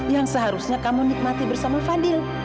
yang seharusnya kamu nikmati bersama fadil